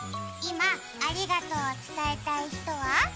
今、ありがとうを伝えたい人は？